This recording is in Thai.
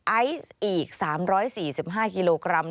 ไอซ์อีก๓๔๕กิโลกรัม